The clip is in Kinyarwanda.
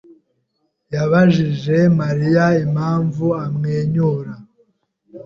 yabajije Mariya impamvu amwenyura.